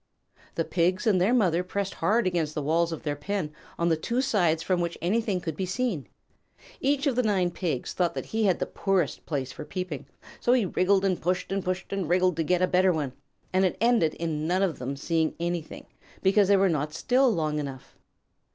The Pigs and their mother pressed hard against the walls of their pen on the two sides from which anything could be seen. Each of the nine Pigs thought that he had the poorest place for peeping, so he wriggled and pushed and pushed and wriggled to get a better one, and it ended in none of them seeing anything, because they were not still long enough.